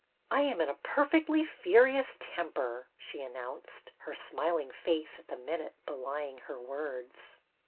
" I am in a perfectly furious temper," she announced, her smiling face at the minute belying her words.